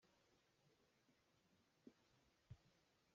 Ka nu rak ka chawnh piak te mu, ka dawt!